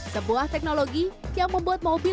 sebuah teknologi yang membuat mobil dapat bergerak dengan mobil